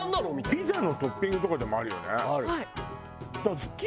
ピザのトッピングとかでもあるよね。